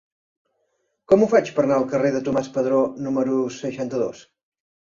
Com ho faig per anar al carrer de Tomàs Padró número seixanta-dos?